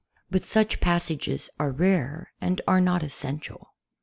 But such pass ages are rare and are not essential.